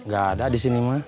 gak ada di sini